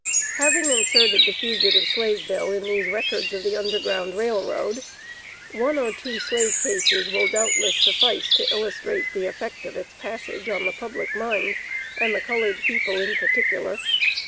Having inserted the Fugitive Slave Bill in these records of the Underground Rail Road, one or two slave cases will doubtless suffice to illustrate the effect of its passage on the public mind, and the colored people in particular.